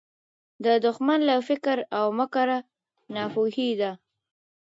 د دښمن له فکر او مِکره ناپوهي ده